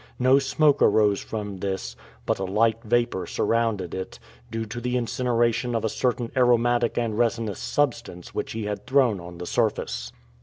No smoke arose from this, but a light vapor surrounded it, due to the incineration of a certain aromatic and resinous substance which he had thrown on the surface.